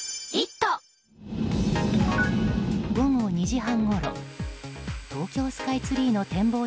午後２時半ごろ東京スカイツリーの展望